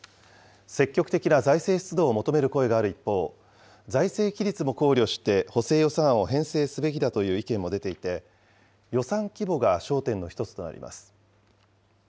積極的な財政出動を求める声がある一方、財政規律も考慮して、補正予算案を編成すべきだという意見も出ていて、予算規模が焦点の一つとなります。